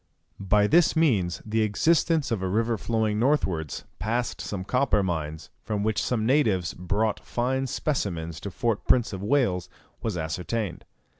By this means the existence of a river flowing northwards, past some copper mines, from which some natives brought fine specimens to Fort Prince of Wales, was ascertained.